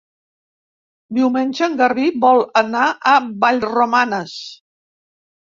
Diumenge en Garbí vol anar a Vallromanes.